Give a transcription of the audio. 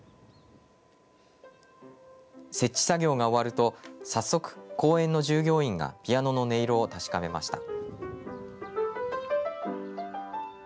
設置作業が終わると、早速公園の従業員がピアノの音色を確かめました。